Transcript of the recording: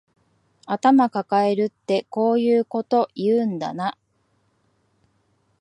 頭かかえるってこういうこと言うんだな